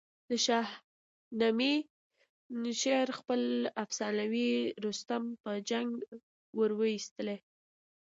د شاهنامې شاعر خپل افسانوي رستم په جنګ وروستلی.